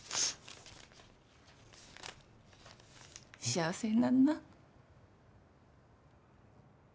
幸せになんな。